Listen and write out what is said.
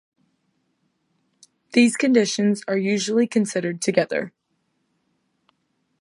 These conditions are usually considered together.